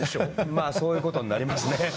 まあそういうことになりますね。